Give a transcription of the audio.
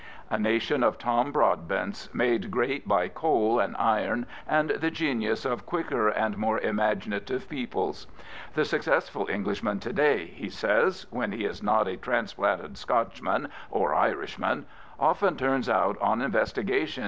A nation of Jpm Broadbents, made great by coal and iron and the genius of quicker and more imaginative peoples. " The successful Englishman to day," he says, " when he is not a transplanted Scotchman or Irishman, often turns out^on investigation.